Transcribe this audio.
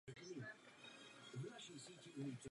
V blízkosti chaty je pramen vody a posezení.